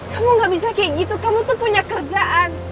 kamu gak bisa kayak gitu kamu tuh punya kerjaan